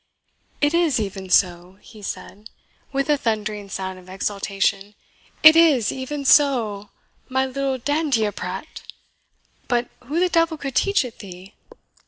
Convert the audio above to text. "It is even so," he said, with a thundering sound of exultation "it is even so, my little dandieprat. But who the devil could teach it thee?"